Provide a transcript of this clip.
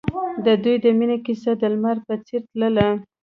د دوی د مینې کیسه د لمر په څېر تلله.